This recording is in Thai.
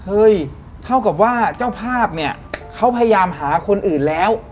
เฮ้ยเข้ากับว่าเจ้าภาพเขาพยายามหาคนอื่นแล้ว